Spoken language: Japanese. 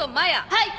はい！